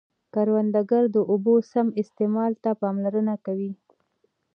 کروندګر د اوبو سم استعمال ته پاملرنه کوي